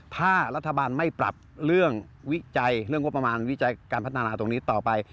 ถ้ารัฐบาลไม่ปรับเรื่องวิจัยเรื่องงบประมาณวิจัยการพัฒนาตรงนี้ต่อไป